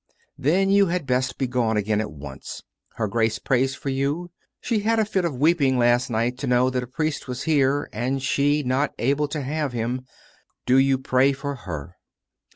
" Then you had best be gone again at once. •.. Her Grace prays for you. ... She had a fit of weeping last night to know that a priest was here and she not able to have him. ... Do you pray for her.